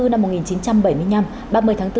năm một nghìn chín trăm bảy mươi năm ba mươi tháng bốn